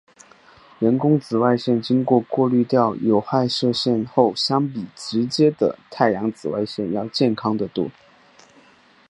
人工紫外线经过过滤掉有害射线后相比直接的太阳紫外线要健康很多。